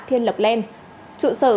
thiên lập len trụ sở